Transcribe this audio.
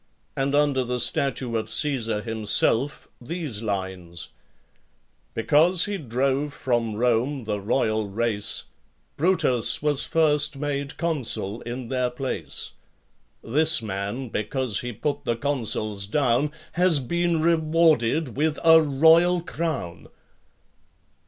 and under the statue of Caesar himself these lines: Because he drove from Rome the royal race, Brutus was first made consul in their place. This man, because he put the consuls down, Has been rewarded with a royal crown.